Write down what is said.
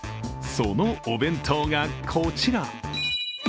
そのお弁当が、こちら。